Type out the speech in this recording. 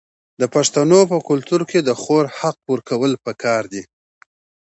د پښتنو په کلتور کې د خور حق ورکول پکار دي.